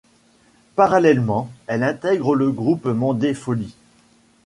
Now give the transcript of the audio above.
Parallèlement elle intègre le groupe Mandé Foly.